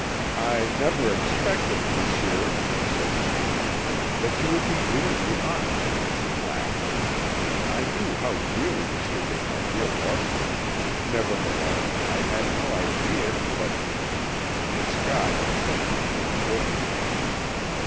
"I never expected, Monsieur," said she, "that you would be doing the honours of this flat. I knew how dearly Monsieur d'Esparvieu loved you.... Nevertheless, I had no idea that...." The sky had suddenly grown overcast.